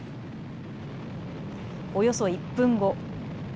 およそ１分後。